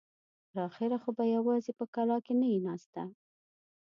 تر اخره خو به يواځې په کلاکې نه يې ناسته.